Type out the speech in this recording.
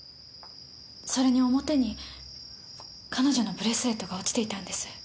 それに表に彼女のブレスレットが落ちていたんです。